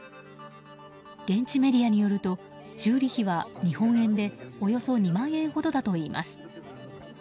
現地メディアによると修理費は日本円でおよそ２万円ほどだといいます。